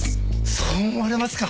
そう思われますか？